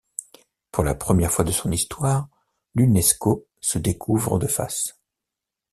Pour la première fois de son histoire, l’Unesco se découvre de face.